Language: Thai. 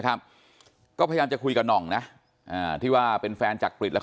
ครับก็พยายามจะคุยกับหน่องนะอ่าที่ว่าเป็นแฟนจักริตแล้ว